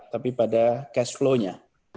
tapi pada cash flow nya